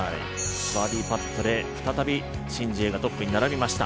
バーディーパットで再びシン・ジエがトップに並びました。